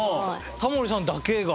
タモリさんだけが？